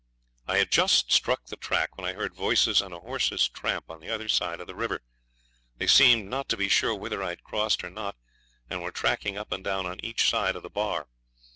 I had just struck the track when I heard voices and a horse's tramp on the other side of the river. They seemed not to be sure whether I'd crossed or not, and were tracking up and down on each side of the bar.